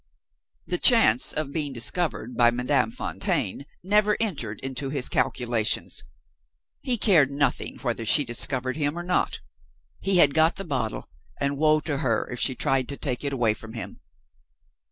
The chance of being discovered by Madame Fontaine never entered into his calculations. He cared nothing whether she discovered him or not he had got the bottle, and woe to her if she tried to take it away from him!